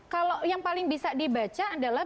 kalau yang paling bisa dibaca adalah